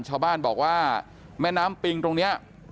ชาวบ้านบอกว่าแม่น้ำปิงตรงนี้